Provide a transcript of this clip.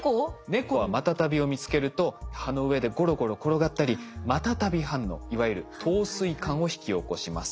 猫はマタタビを見つけると葉の上でゴロゴロ転がったりマタタビ反応いわゆる陶酔感を引き起こします。